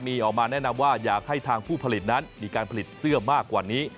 มีออกมาแนะนำว่าอยากให้ทางผู้ผลิตนั้นมีการผลิตเสื้อมากกว่านี้